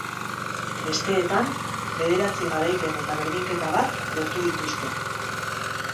Besteetan, bederatzi garaipen eta berdinketa bat lortu dituzte.